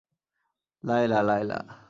Laila, Laila.